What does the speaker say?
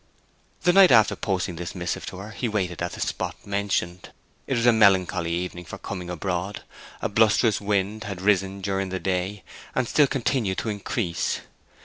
The night after posting this missive to her he waited at the spot mentioned. It was a melancholy evening for coming abroad. A blusterous wind had risen during the day, and still continued to increase.